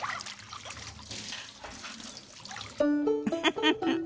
フフフフ。